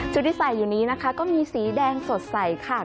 ที่ใส่อยู่นี้นะคะก็มีสีแดงสดใสค่ะ